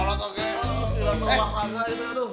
sini itu mah kaga itu